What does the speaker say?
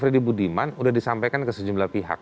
freddy budiman sudah disampaikan ke sejumlah pihak